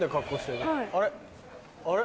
あれ？